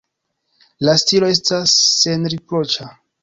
La stilo estas senriproĉa.